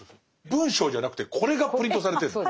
文章じゃなくてこれがプリントされてるの？